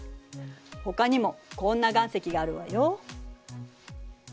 ほかにもこんな岩石があるわよ。